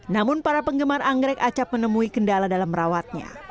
namun para penggemar anggrek acap menemui kendala dalam merawatnya